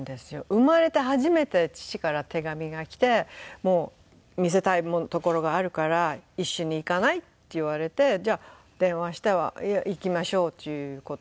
生まれて初めて父から手紙がきてもう「見せたい所があるから一緒に行かない？」って言われてじゃあ電話して行きましょうという事で。